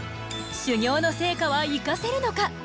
修行の成果は生かせるのか？